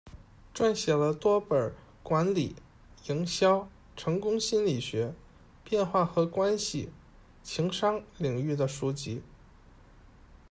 撰写了多本管理、营销、成功心理学、变化和关系、情商领域的书籍。